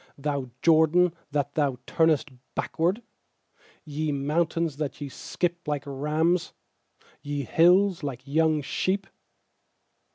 Thou Jordan, that thou turnest backward? 6Ye mountains, that ye skip like rams , Ye hills, like young sheep?